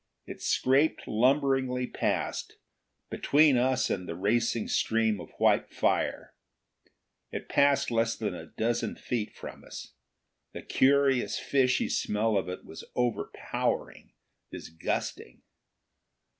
It scraped lumberingly past, between us and the racing stream of white fire. It passed less than a dozen feet from us. The curious fishy smell of it was overpowering, disgusting.